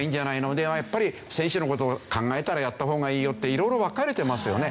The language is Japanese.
でもやっぱり選手の事を考えたらやった方がいいよって色々分かれてますよね。